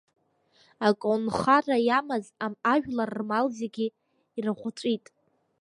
Аколнхара иамаз ажәлар рмал зегьы ирӷәҵәит.